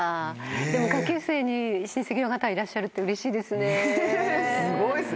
でも下級生に親戚の方がいらっしゃるってうれしいですね。